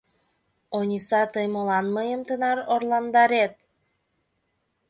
Ониса, тый молан мыйым тынар орландарет?